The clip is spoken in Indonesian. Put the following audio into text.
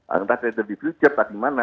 entah trader di fridjep atau di mana